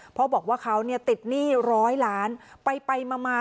เพราะบอกว่าเขาเนี่ยติดหนี้ร้อยล้านไปไปมามา